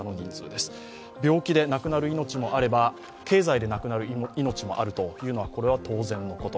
病気で亡くなる命もあれば経済で亡くなる命もある、これは当然のこと。